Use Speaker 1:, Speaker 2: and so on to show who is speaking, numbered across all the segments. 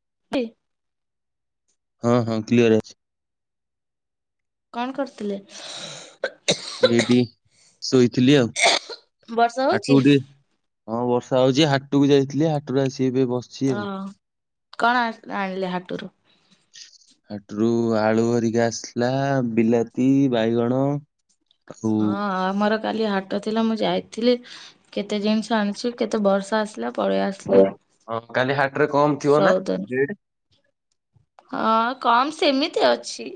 Speaker 1: [unintelligible]
Speaker 2: ହଁ ହଁ କ୍ଲିୟର ଅଛି।
Speaker 1: କଣ କରୁଥିଲେ?
Speaker 2: ଏଇଠି ଶୋଇଥିଲି ଆଉ
Speaker 1: ବର୍ଷା ହଉଛି
Speaker 2: ହାଟକୁ ଟିକେ ହଁ ବର୍ଷା ହଉଛି ହାଟକୁ ଯାଇଥିଲି ହାଟରୁ ଆସିିକି ଏବେ ବସ
Speaker 1: ଓହୋ କଣ ଆଣିଲେ ହାଟରୁ?
Speaker 2: ହାଟରୁ ଆଳୁ ହେରିକା ଆସିଲା ବିଲାତି ବାଇଗଣ। ଆଉ
Speaker 1: ହଁ ଆମର କାଲି ହାଟ ଥିଲା ମୁଁ ଯାଇଥିଲି। କେତେ ଜିନିଷ ଆଣିଛି କେତେ ବର୍ଷା ଆସିଲା। ପଳେଇ
Speaker 2: ହଁ
Speaker 1: ଆସିଲି
Speaker 2: ହଁ, କାଲି ହାଟରେ କମ ଥିବ ନା
Speaker 1: ଶୋଉଦା
Speaker 2: ରେଟ୍
Speaker 1: ହଁ, କମ୍ ସେମିତି ଅଛି।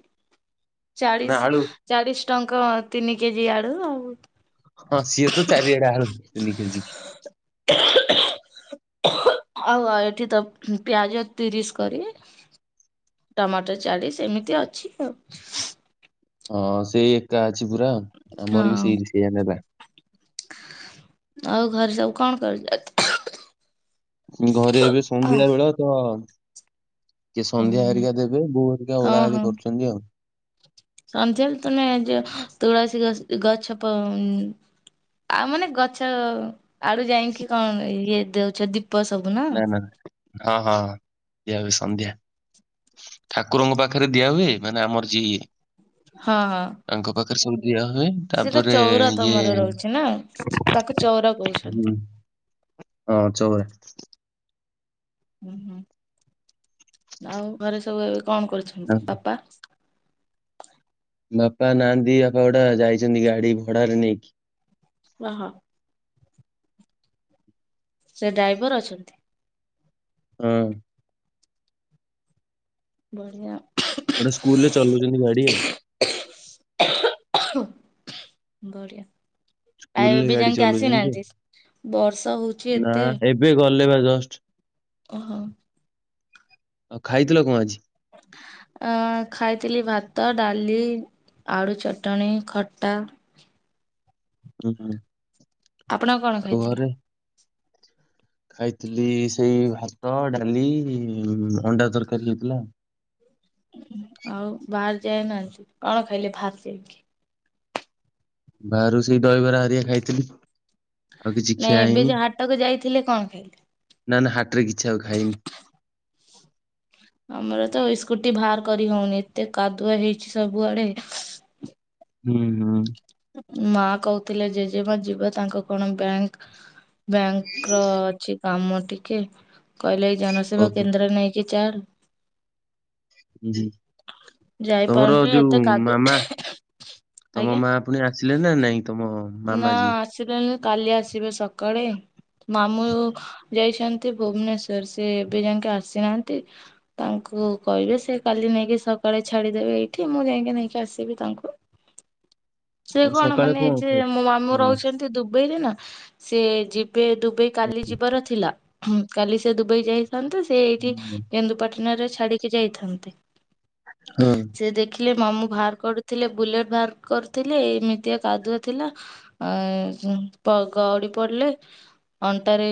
Speaker 2: ନା
Speaker 1: ଚାଳିଶ,
Speaker 2: ଆଳୁ
Speaker 1: ଚାଳିଶ ଟଙ୍କା ତିନି କେଜି ଆଡୁ ଆଉ।
Speaker 2: ହଁ, ସିଏ ତ ଚାରିଆଡ଼େ ଆଳୁ ତିନି କେଜିକି।
Speaker 1: ଆଉ ଏଠି ତ ପିଆଜ ତିରିଶ କରି। ଟମାଟୋ ଚାଳିଶ ଏମିତି ଅଛି ଆଉ।
Speaker 2: ହଁ, ସେଇ ଏକା ଅଛି ପୁରା ଆମର ବି
Speaker 1: ହଁ
Speaker 2: ସେଇ ସେଇଆ ନେବା।
Speaker 1: ଆଉ ଘରେ ସବୁ କଣ କରୁଛ?
Speaker 2: ଘରେ ଏବେ ସନ୍ଧ୍ୟାବେଳ ତ କିଏ
Speaker 1: ହୁଁ
Speaker 2: ସନ୍ଧ୍ୟା ହେରିକା ଦେବେ ବୋଉ ହେରିକା ଓଳାଓଳି କରୁଛନ୍ତି ଆଉ।
Speaker 1: ସନ୍ଧ୍ୟା ହେଲେ ତୁମେ ଯେ ତୁଳସୀ ଗ ଗଛ ପ ଆଉ ମାନେ ଗଛ, ଆଡୁ ଯାଇକି କଣ ଇଏ ଦଉଛ ଦୀ ପ ସବୁ ନା
Speaker 2: ନାଁ ନାଁ, ହଁ, ହଁ ହଁ ଦିଆହୋଉଛି ସନ୍ଧ୍ୟା। ଠାକୁରଙ୍କ ପାଖରେ ଦିଆ ହୁଏ। ମାନେ ଆମର ଯିଏ
Speaker 1: ହଁ ହଁ।
Speaker 2: ତାଙ୍କ ପାଖରେ ସବୁ ଦିଆ ହୁଏ।
Speaker 1: ସିଏ ତ
Speaker 2: ତାପରେ
Speaker 1: ଚଉରା
Speaker 2: ଇଏ
Speaker 1: ତମର ରହୁଛି ନା ତାକୁ ଚଉଁରା
Speaker 2: ହୁଁ ଚୋଉଁରା।
Speaker 1: ଓ ହୁଁ ଆଉ ଘରେ ସବୁ ଏବେ କଣ କରିୁଛନ୍ତି ବାପା?
Speaker 2: ବାପା ନାହାନ୍ତି ବାପା ଗୋଟେ ଯାଇଛନ୍ତି ଗାଡି ଭଡାରେ ନେଇକି।
Speaker 1: ଓହୋ। ସେ ଡ୍ରାଇଭର ଅଛନ୍ତି।
Speaker 2: ହଁ।
Speaker 1: ବଢିଆ।
Speaker 2: ଗୋଟେ ସ୍କୁଲ ରେ ଚଲାଉଛନ୍ତି ଗାଡି ଆଉ।
Speaker 1: ବଢିଆ। ଆଉ
Speaker 2: ସ୍କୁଲରେ
Speaker 1: ଏବେ
Speaker 2: ଗାଡି
Speaker 1: ଯାଇକି
Speaker 2: ଚଲଉଛନ୍ତି
Speaker 1: ଆସିନାହାନ୍ତି ବର୍ଷା ହୋଉଛି?
Speaker 2: ନା ଏବେ ଗଲେ ବା ଜଷ୍ଟ।
Speaker 1: ଓହୋ।
Speaker 2: ଆଉ ଖାଇଥିଲ କଣ ଆଜି?
Speaker 1: ଅ ଖାଇଥିଲି ଭାତ ଡାଲି। ଆଳୁ ଚଟଣିୀ ଖଟା
Speaker 2: ହୁଁ ହୁଁ।
Speaker 1: ଆପଣ କଣ
Speaker 2: ଆଉ
Speaker 1: ଖାଇଥିଲେ?
Speaker 2: ଘରେ [inaudible] ଖାଇଥିଲି ସେଇ ଭାତ, ଡାଲି, ଅଣ୍ଡା ତରକାରୀ ହେଇଥିଲା।
Speaker 1: ଆଉ ବାହାର ଯାଉନାହାନ୍ତି କଣ ଖାଇଲେ ବାହାର ଯାଇକି?
Speaker 2: ବାହାରୁ ସେଇ ଦହିବରା ହାରିକା ଖାଇଥିଲି। ଆଉ କିଛି
Speaker 1: ନାଁ
Speaker 2: ଖିଆ
Speaker 1: ଏବେ
Speaker 2: ହେଇନି
Speaker 1: ଯୋଉ ହାଟକୁ ଯାଇଥିଲେ କଣ ଖାଇଲେ?
Speaker 2: ନା, ନା ହାଟରେ କିଛି ଆଉ ଖାଇନି।
Speaker 1: ଆମର ତ ଇସ୍କୁଟି ବାହାର କରି ହଉନି ଏତେ କାଦୁଅ ହେଇଛି ସବୁଆଡେ।
Speaker 2: ହୁଁହୁଁ।
Speaker 1: ମା କହୁଥିଲେ ଜେଜେମା ଯିବେ ତାଙ୍କ କଣ ବ୍ୟାଙ୍କ ବ୍ୟାଙ୍କ ର ଅଛି କାମ ଟିକେ କହିଲେ ଏଇ ଜନସେବା
Speaker 2: ଓହୋ
Speaker 1: କେନ୍ଦ୍ରରେ ନେଇକି ଚାଲ୍।
Speaker 2: ତମର
Speaker 1: ଯାଇପାରୁନି
Speaker 2: ଯୋଉ
Speaker 1: ଏତେ କାଦୁ
Speaker 2: ମାମା ତମ
Speaker 1: ଆଜ୍ଞା
Speaker 2: ମା। ପୁଣି ଆସିଲେ ନା ନାଇଁ ତମ
Speaker 1: ନା
Speaker 2: ମାମା ଯିଏ?
Speaker 1: ଆସିଲଣିି କାଲି ଆସିବେ ସକାଳେ। ମାମୁଁ ଯାଇଛନ୍ତି ଭୁବନେଶ୍ୱର ସେ ଏବେ ଯାଇକି ଆସିନାହାନ୍ତି ତାଙ୍କୁ କହିବେ ସେ କାଲି ନେଇକି ସକାଳେ ଛାଡିଦେବେ ଏଇଠି ମୁଁ ଯାଇକି ନେଇକି ଆସିବି ତାଙ୍କୁ। [inaudible] ସେ
Speaker 2: ଆଉ
Speaker 1: କଣ
Speaker 2: ସକାଳେ
Speaker 1: ମାନେ ଯେ
Speaker 2: ଖାଇ
Speaker 1: ମୋ ମାମୁଁ
Speaker 2: ହଁ
Speaker 1: ରହୁଛନ୍ତି ଦୁବେଇ ରେ ନା ସେ ଯିଵ୍ ଦୁବେଇ କାଲି ଯିବାର ଥିଲା କାଲି ସେ ଦୁବେଇ ଯାଇଥାନ୍ତେ ସେ ଏଇଠି କେନ୍ଦୁ ପାଟଣା ରେ ଛାଡିକି ଯାଇଥାନ୍ତି।
Speaker 2: ହଁ।
Speaker 1: ସେ ଦେଖିଲେ ମାମୁ ବାହାର କରୁଥିଲେ ବୁଲେଟ ବାହାର କରୁଥିଲେ ଏମିତିଆ କାଦୁଅ ଥିଲା ଆ ଗ ଗଉଡି ପଡିଲେ ଅଣ୍ଟାରେ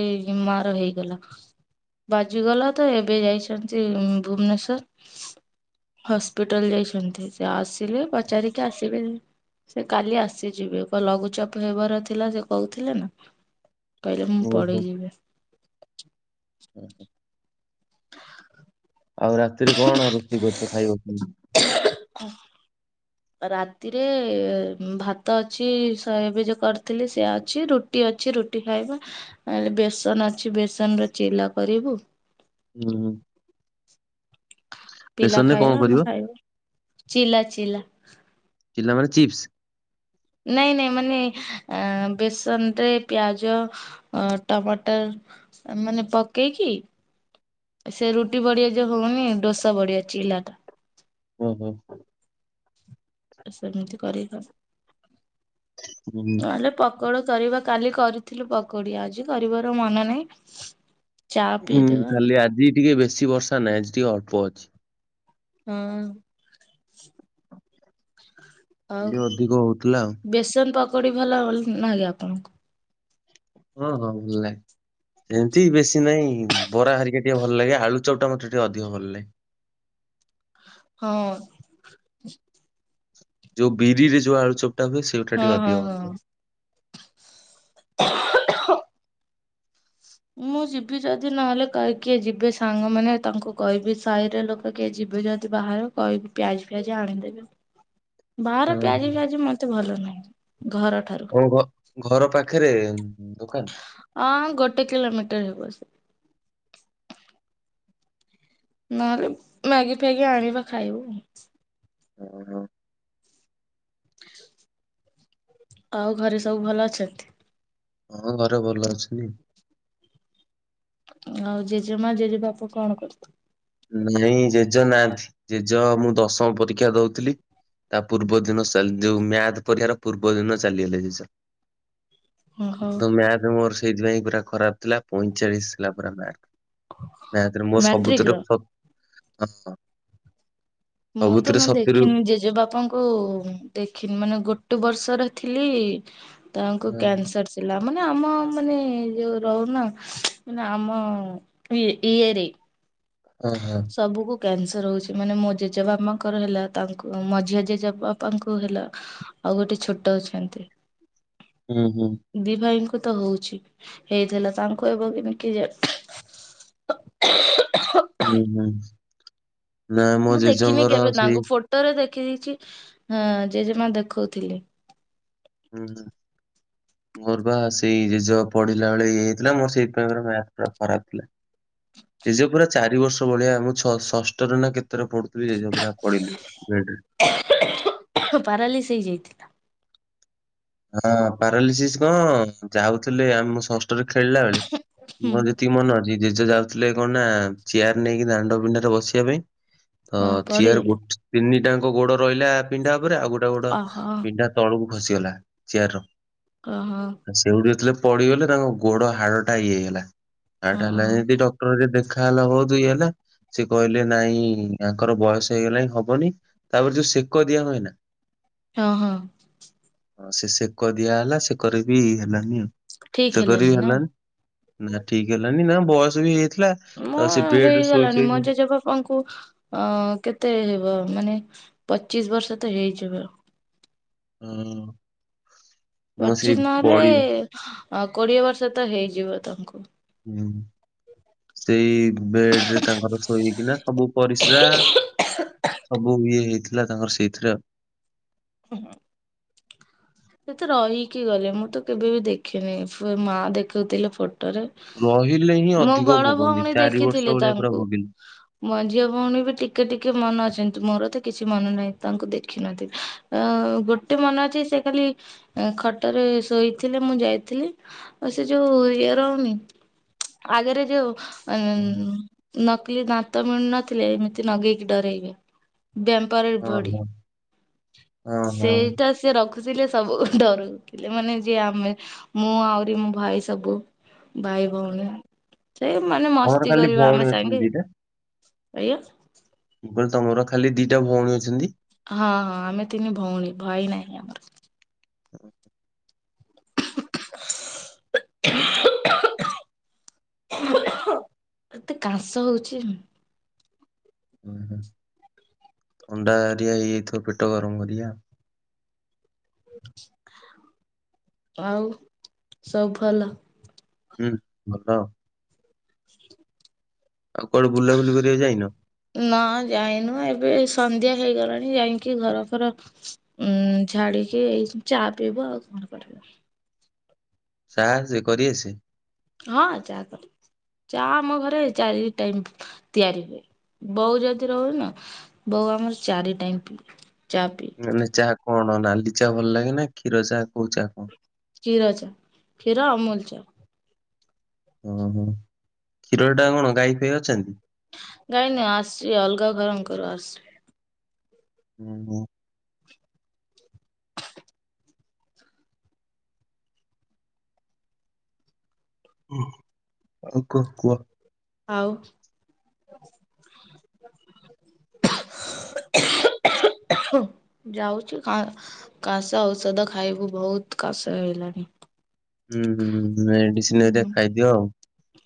Speaker 1: ମାର ହେଇଗଲା। ବାଜିଗଲା ତ ଏବେ ଯାଇଛନ୍ତି ଭୁବନେଶ୍ଵର ହସ୍ପିଟାଲ ଯାଇଛନ୍ତି ସେ ଆସିଲେ ପଚାରିକି ଆସିବେ ସେ କାଲି ଆସିଯିବେ। ଲଘୁଚାପ ହେବାର ଥିଲା ସେ କହୁଥିଲେ ନା କହିଲେ ମୁଁ ପଲେଇଯିବି।
Speaker 2: ଓହୋ।
Speaker 1: [inaudible]
Speaker 2: ଆଉ ରାତିରେ କଣ ରୁଟି କରୁଚ ଖାଇବ
Speaker 1: [inaudible] ରାତିରେ ଭାତ ଅଛି ଶବୀଜ କରିଥିଲି ସେଆ ଅଛି ରୁ ରୁଟି ଅଛି ରୁଟି ଖାଇବା ଆଲେ ବେସନ ଅଛି ବେସନ ରେ ଚିଲା କରିବୁ।
Speaker 2: ଉହୁଁ।
Speaker 1: ପିଲା ଖାଇବା ଆମେ ଖାଇବା ଚିଲା ଚିଲା।
Speaker 2: ଚିଲା ମାନେ ଚିପ୍ସ?
Speaker 1: ନାଇଁ ନାଇଁ ମାନେ ବେସନ ରେ ପିଆଜ ଅ ଟମାଟର ମାନେ ପକେଇକି ସେ ରୁଟି ବଡିଆ ଯୋଉ ହଉନି ଡୋସା ବଡିଆ ଚିଲା ଟା।
Speaker 2: ହୁଁ ହୁଁ ହୁଁ।
Speaker 1: ସେମିତି କରିବ।
Speaker 2: ହଁୁ।
Speaker 1: ନହେଲେ ପକୋଡ କରିବା କାଲି କରିଥିଲୁ ପକୋଡି ଆଜି କରିବାର ମନ ନାହିଁ। ଚା
Speaker 2: ହୁଁ
Speaker 1: ପିଇଦବା
Speaker 2: ଖାଲି ଆଜି ଟିକେ ବେଶୀ ବର୍ଷା ନାହିଁ ଆଜି ଟିକେ ଅଳ୍ପ ଅଛି।
Speaker 1: ହୁଁ। ଆଉ
Speaker 2: କାଲି ଅଧିକ ହଉଥିଲା ଆଉ
Speaker 1: ବେସନ ପକୋଡି ଭଲ ନାଗେ ଆପଣଙ୍କୁ?
Speaker 2: ହଁ ହଁ ଭଲ ଲଗେ। ଏମିତି ବେଶୀ ନାଇଁ ବରାହେରିକା ଟିକେ ଭଲ ଲାଗେ ଆଳୁଚପ୍ ଟା ମତେ ଟିକେ ଅଧିକ ଭଲ ଲାଗେ।
Speaker 1: ହଁ।
Speaker 2: ଯୋଉ ବିରି ଯଉ ଆଳୁ ଚୋପଟା ହୁଏ ସେଇଟା
Speaker 1: ହଁ
Speaker 2: ଟିକେ
Speaker 1: ହଁ
Speaker 2: ଅଧିକ
Speaker 1: ହଁ।
Speaker 2: ଭଲ।
Speaker 1: [inaudible] ମୁଁ ଯିବି ଯଦି ନହେଲେ କିଏ ଯିବେ ସାଙ୍ଗମାନେ ତାଙ୍କୁ କହିବି ସାହିରେ ଲୋ ତ କିଏ ଯିବେ ଯଦି ବାହାର କହିବି ପିଆଜି ଫିଆଜି ଆଣିଦେବେ।
Speaker 2: ହଁ
Speaker 1: ବାହାର
Speaker 2: ହଁ।
Speaker 1: ପିଆଜି ଫିଆଜି ମତେ ଭଲ ନାହିଁ ଘରଠାରୁ।
Speaker 2: ତମ ଘର ପାଖେରେ ଦୋକାନ।
Speaker 1: ଅଁ ଗୋଟେ କିଲୋମିଟର ହେବ ସେ। ନହେଲେ ମ୍ୟାଗି ଫ୍ୟାଗି ଆଣିବା ଖାଇବୁ।
Speaker 2: ଓ ହୋ।
Speaker 1: ଆଉ ଘରେ ସବୁ ଭଲ ଅଛନ୍ତି।
Speaker 2: ହଁ ଘରେ ଭଲ ଅଛନ୍ତି।
Speaker 1: ଆଉ ଜେଜେମା ଜେଜେବାପୁ କଣ କରୁ
Speaker 2: ନାଇଁ ଜେଜ ନାହାନ୍ତି ଜେଜ ମୁଁ ଦଶମ ପରୀକ୍ଷା ଦଉଥିଲି। ତା ପୂର୍ବ ଦିନ ଚାଲି ଯୋଉ ମ୍ୟାଥ ପରିକ୍ଷା ର ପୂର୍ବ ଦିନ ଚାଲିଗଲେ ଜେଜ।
Speaker 1: ଓହୋ
Speaker 2: ତ ମ୍ୟାଥ ମୋର ସେଇଥିପାଇଁ ପୁରା ଖରାପ ଥିଲା। ପଇଁଚାଳିଶ ଥିଲା ମୋର ମାର୍କ ମ୍ୟାଥରେ ମୋ
Speaker 1: ମାଟ୍ରିକ ର
Speaker 2: ସବୁଥିରୁ ହଁ-
Speaker 1: ମୁଁ ତ
Speaker 2: ସବୁଥିରେ
Speaker 1: ମାନେ
Speaker 2: ସତୁରି ଉପ
Speaker 1: ଦେଖିନି ଜେଜେବାପାଙ୍କୁ। ଦେଖିନି ମାନେ ଗୋଟେ ବର୍ଷର ଥିଲି ତାଙ୍କୁ
Speaker 2: ହଁ
Speaker 1: କ୍ୟାନସର ମାନେ ଆମ ମାନେ ଯୋଉ ରହୁନା ମାନେ ଆମ ଇ ଇଏରେ
Speaker 2: ହଁ -ହଁ।
Speaker 1: ସବୁକୁ କ୍ୟାନସର ହଉଛି ମାନେ ମୋ ଜେଜେବାପା ଙ୍କର ହେଲା ତାଙ୍କୁ ମୋ ମଝିଆ ଜେଜେ ବାପାଙ୍କୁ ହେଲା। ଆଉ ଗୋଟେ ଛୋଟ ଅଛନ୍ତି।
Speaker 2: ହୁଁ- ହୁଁ-
Speaker 1: ଦି ଭାଇଙ୍କୁ ତ ହଉଛି ହେଇଥିଲା ତାଙ୍କୁ ଏବେ କି ନାହିଁ କିଏ ଜାଣି ? ଓହୋ -
Speaker 2: ହୁଁ -ହୁଁ ନା ମୋ ଜେଜେଙ୍କର ସେଇ-
Speaker 1: ଥରେ ଦେଖିଦେଇଛି ହଁ ଜେଜେମା ଦେଖଉଥିଲେ।
Speaker 2: ହୁ- ହୁ- ମୋର ପା ସେଇ ଜେଜେ ପଡିଲା ବେଳେ ଇଏ ହେଇଥିଲା ମୋର ସେଇଥିପାଇଁ ମ୍ୟାଥ ପୁରା ଖରାପ ଥିଲା। ଜେଜେ ପୁରା ଚାରି ବର୍ଷ- ଭଳିଆ ମୁଁ ଷଷ୍ଠରେ ନା କେତେରେ ପଢୁଥିଲି ଜେଜେ ପୁରା ପଡିଲେ ବେଡରେ।
Speaker 1: ପାରାଲିସ ହେଇ ଯାଇ
Speaker 2: ହଁ ପାରାଲିସିସ୍ କଣ ଯାଉଥିଲେ ଆମେ ଷଷ୍ଠରେ ଖେଳିଲା ବେଳେ
Speaker 1: ହୁଁ
Speaker 2: ମର ଯେତି ତିକି ମନ ଅଛି ଜେଜେ ଯାଉଥିଲେ କଣ ନା ଚେୟାର ନେଇକି ଦାଣ୍ଡ ପିଣ୍ଢାରେ ବସିବା ପାଇଁ। ତ
Speaker 1: ହଁ
Speaker 2: ଚେୟାରକୁ
Speaker 1: ପଡିଗଲି
Speaker 2: ଗୋଟେ ତିନି ଟା ଯାକ ଗୋଡ ରହିଲା ପିଣ୍ଢା ଉପରେ ଆଉ ଗୋଟେ ଗୋଡ
Speaker 1: ଓହୋ
Speaker 2: ପିଣ୍ଢା ତଳକୁ ଖସିଗଲା
Speaker 1: ଓହୋ
Speaker 2: ଚେୟାରର। ସେଉଠି ଯେତେବେଳେ ପଡିଗଲେ ତାଙ୍କ ଗୋଡ ହାଡ଼ ଟା ଇଏ ହେଇଗଲା ହାଡ଼
Speaker 1: ହଁ
Speaker 2: ଟା ହେଲାଯେମିତି ଡ଼କ୍ [unintelligible] ଦେଖାହେଲା ବହୁତ ଇଏ ହେଲେ। ସେ କହିଲେ ନାଇଁ ତାଙ୍କର ବୟସ ହେଇଗଲାଣି ହବନି ତାପରେ ଯୋଉ ସେକ ଦିଆ ହୁଏ ନା।
Speaker 1: ହଁ -ହଁ-
Speaker 2: ହଁ ସେ ସେକ ଦିଆ ହେଲା ସେକରେ ବିି ହେଲାନି ଆଉ
Speaker 1: ଠିକ
Speaker 2: ସେକରେ ବି
Speaker 1: ନା
Speaker 2: ହେଲାନି। ନା ଠିକ ହେଲାନି ନା ବୟସ ବି ହେଇଯାଇଥିଲା। ତ
Speaker 1: ମୁଁ
Speaker 2: ସେ ବେଡ୍ ରେ ଶୋଇ
Speaker 1: ହେଇଗଲାଣି
Speaker 2: ଶୋଇ
Speaker 1: ମୋ ଜେଜେଙ୍କ- - ଆପଣଙ୍କୁ ଅ କେତେ ମାନେ ପଚିଶ ବର୍ଷ ତ ହେଇଯିବ।
Speaker 2: ହୁଁ। ମୁଁ ସେଇ
Speaker 1: ପଚିଶ
Speaker 2: ବଡି
Speaker 1: ନହେଲେ କୋଡିଏ ବର୍ଷ ତ ହେଇଯିବ ତାଙ୍କୁ।
Speaker 2: ହୁଁ ସେଇ ବେଡ ରେ ତାଙ୍କର ସବୁ ହେଇକିନା ସବୁ ପରିସ୍ରା ସବୁ ଇଏ ହେଇଥିଲା ତାଙ୍କର ସେଇଥିରେ ଆଉ।
Speaker 1: ହଁ ହଁ। ସେତ ରହିକି ଗଲେ ମୁଁ ତ କେବେ ବି ଦେଖିନି, ମା ଦେଖଉଥିଲେ ଫଟୋରେ।
Speaker 2: ରହିଲେ ହିଁ
Speaker 1: ମୋ
Speaker 2: ଅଧିକ
Speaker 1: ବଡ
Speaker 2: ଭୋଗନ୍ତି
Speaker 1: ଭଉଣୀ
Speaker 2: ଚାରି ବର୍ଷ
Speaker 1: ଦେଖିଥିଲେ
Speaker 2: ଭଳିଆ ପୁରା
Speaker 1: ତାଙ୍କୁ।
Speaker 2: ଭୋଗିଲି।
Speaker 1: ମଝିଆ ଭଉଣୀ ବି ଟିକେ ଟିକେ ମନ ଅଛନ୍ତି, ମୋର ତ କିଛି ମନ ନାହିଁ ତାଙ୍କୁ ଦେଖିନ ଅ ଗୋଟେ ମନେ ଅଛି ସେ ଖାଲି ଖଟରେ ଶୋଇଥିଲେ ମୁଁ ଯାଇଥିଲି ଆଉ ସେ ଯୋଉ ଇଏର ଆଗରେ ଯୋଉ ଉଁ
Speaker 2: ହଁ
Speaker 1: ନକଲି ଦାନ୍ତ ମିଳୁନଥିଲେ ଏମିତି ନଗେଇକି ଡରଇବେ। ବ୍ୟାାମପାରରେ
Speaker 2: ହଁ
Speaker 1: ବଡି
Speaker 2: ହଁ ହଁ
Speaker 1: ସେଇଟା ସେ ରଖୁଥିଲେ ସବୁ ଡରୁଥିଲେ ମାନେ ଯିଏ ଆମେ ମୁଁ ଆହୁରି ମୋ ଭାଇ ସବୁ ଭାଇ ଭଉଣୀ ସେଇ ମାନେ
Speaker 2: ଆମର
Speaker 1: ମସ୍ତି
Speaker 2: ଖାଲି
Speaker 1: କରିବ
Speaker 2: ଭଉଣୀ
Speaker 1: ଆମେ
Speaker 2: ଅଛନ୍ତି
Speaker 1: ସାଙ୍ଗେ
Speaker 2: ଦିଟା।
Speaker 1: ଆଜ୍ଞା।
Speaker 2: ମୁ କହିଲି ତମର ଖାଲି ଦିଟା ଭଉଣୀ ଅଛନ୍ତି?
Speaker 1: ହଁ ହଁ ଆମେ ତିନି ଭଉଣୀ, ଭାଇ ନାହିଁ ଆମର।
Speaker 2: ଓହୋ।
Speaker 1: [unintelligible] ଏତେ କାଶ ହୋଉଚି।
Speaker 2: ହୁଁ ହୁଁ ଥଣ୍ଡା ଏରିକା ହେଇଯାଇଥିବ ପେଟ ଗରମ ଘରିକା।
Speaker 1: ଆଉ ସବୁ ଭଲ?
Speaker 2: ହୁଁ ହଁ। ଆଉ କୁଆଡେ ବୁଲାବୁଲି କରିବାକୁ ଯାଇନ?
Speaker 1: ନା ଯାଇନୁ ଏବେ ସନ୍ଧ୍ୟା ହେଇଗଲାଣି ଯାଇକି ଘର ଫର ଉଁ ଝାଡିକି ଏ ଚା ପିଇବ ଆଉ କଣ କରିବା।
Speaker 2: ଚା ସେ କରି ଆସେ?
Speaker 1: ହଁ ଚା କରି ଆସେ, ଚା ଆମ ଘରେ ଚାରି ଟାଇମ ତିଆରି ହୁଏ। ବୋଉ ଜଦି ରହେନା ବୋଉ ଆମର ଚାରି ଟାଇମ ପିଏ ଚା ପି
Speaker 2: ମାନେ ଚା କଣ ନାଲି ଚାହା ଭଲ ଲାଗେ ନା କ୍ଷୀର ଚାହା କୋଉ ଚା କଣ?
Speaker 1: କ୍ଷୀର ଚା କ୍ଷୀର ଅମୁଲ ଚା
Speaker 2: ଓହୋ କ୍ଷୀର ଟା କଣ ଗାଈ [unintelligible] ଅଛନ୍ତି?
Speaker 1: ଗାଇ ନାଇଁ ଆସ ଲଗା ଘର ଙ୍କର [unintelligible]
Speaker 2: ଉଁ ହୁଁ। ଆଉ କଣ କୁହ?
Speaker 1: ଆଉ ଯାଉଛୁ କାଶ ଔଷଧ ଖାଇବୁ ବହୁତ କାଶ ହେଇଲାଣି।
Speaker 2: ହୁଁ ହୁଁ ମେଡିସିନ ହେରିକା ଖାଇଦିଅ ଆଉ।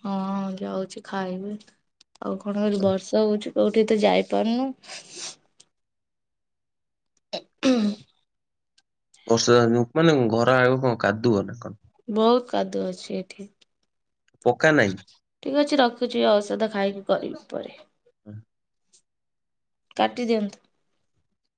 Speaker 1: ହଁଁ ଯାଉଛି ଖାଇବବି ଆଉ କଣ କରିବି ବର୍ଷା ହୋଉଚୁ। କୋଉଠି ତ ଯାଇପାରୁନୁ।
Speaker 2: ହଁ,
Speaker 1: [unintelligible]
Speaker 2: [unintelligible] ମାନେ ଘର ଆଗ କଣ କାଦୁଅ ନା କଣ?
Speaker 1: ବହୁତ କାଦୁଅ ଅଛି ଏଠି।
Speaker 2: ପକା ନାହିଁ?
Speaker 1: ଠିକ ଅଛି ରଖୁଛି ଔଷଧ ଖାଇକି କରିବି ପରେ।
Speaker 2: [unintelligible]
Speaker 1: କାଟି ଦିଅନ୍ତୁ।